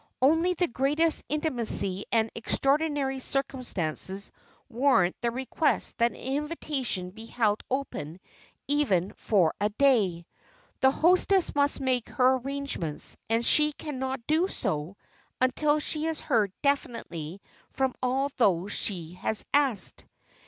Only the greatest intimacy and extraordinary circumstances warrant the request that an invitation be held open even for a day. The hostess must make her arrangements and she can not do so until she has heard definitely from all those she has asked.